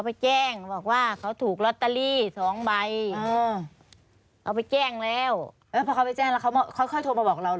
พอเขากำลังไปแจ้งแล้วเขาพาเข้าทางโทรมาบอกเราหรอ